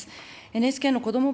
ＮＨＫの子ども